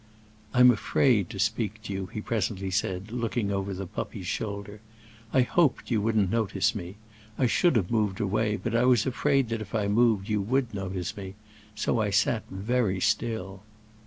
"I'm afraid to speak to you," he presently said, looking over the puppy's shoulder. "I hoped you wouldn't notice me. I should have moved away, but I was afraid that if I moved you would notice me. So I sat very still."